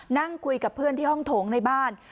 นั่งคุยกับเพื่อนที่ห้องโถงในบ้าน